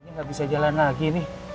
ini nggak bisa jalan lagi nih